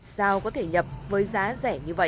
sao có thể nhập với giá rẻ như vậy